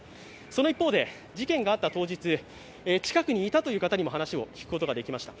その一方で、事件があった当日、近くにいたという方にも話を聞くことができました。